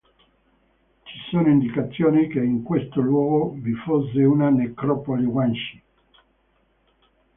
Ci sono indicazioni che in questo luogo vi fosse una necropoli Guanci.